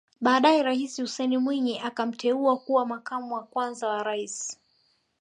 Baadae Rais Hussein Mwinyi akamteua kuwa makamu wa kwanza wa Rais